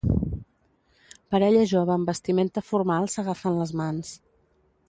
Parella jove amb vestimenta formal s'agafen les mans